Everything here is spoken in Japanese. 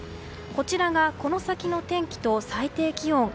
こちらがこの先の天気と最低気温。